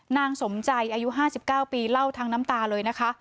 นางสมใจอายุ๕๙ปีเล่าทั้งน้ำตาเลยนะคะ